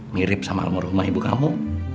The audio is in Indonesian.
mirip sama almarhumah ibu kamu